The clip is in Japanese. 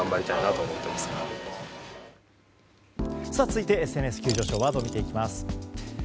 続いてＳＮＳ急上昇ワード見ていきます。